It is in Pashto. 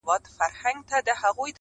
• خبرېږم زه راته ښېراوي كوې.